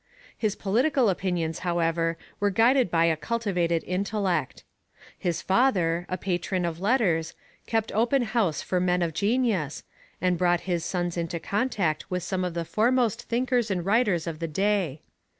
His political opinions, however, were guided by a cultivated intellect. His father, a patron of letters, kept open house for men of genius, and brought his sons into contact with some of the foremost thinkers and writers of the day.